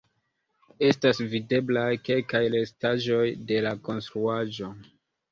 Estas videblaj kelkaj restaĵoj de la konstruaĵo.